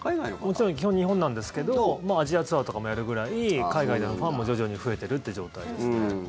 もちろん基本は日本なんですけどアジアツアーとかもやるくらい海外ではファンも徐々に増えているという状態ですね。